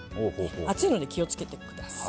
熱いので気をつけてください。